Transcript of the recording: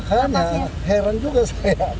makanya heran juga saya